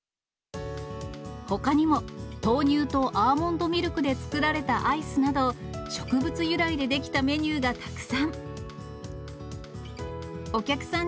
ほかにも、豆乳とアーモンドミルクで作られたアイスなど、植物由来で出来たメニューがたくさん。